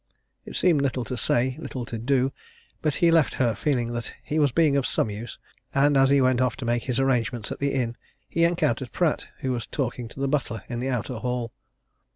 It seemed little to say, little to do, but he left her feeling that he was being of some use. And as he went off to make his arrangements at the inn he encountered Pratt, who was talking to the butler in the outer hall.